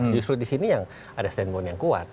justru di sini yang ada standpoint yang kuat